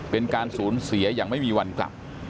เป็นการสูญเสียอย่างไม่มีวันกลับ